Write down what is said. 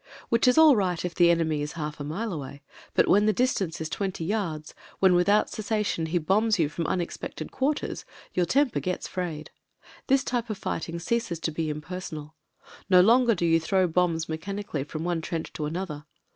Which is all right if the enemy is half a mile away, but when the distance is twenty yards, when without cessation he bombs you from unexpected quarters, your temper gets frayed. This t3^e of fighting ceases to be impersonal. No longer do you throw bombs mechanically from one trench to another.